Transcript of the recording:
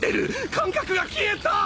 感覚が消えた！